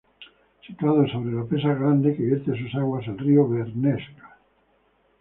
Situado sobre la Presa Grande que vierte sus aguas al Río Bernesga.